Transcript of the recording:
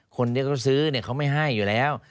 คนที่เขาซื้อเขาไม่ให้อยู่แล้ว